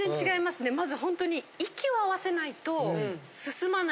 まずホントに。